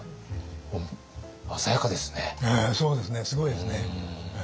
すごいですね。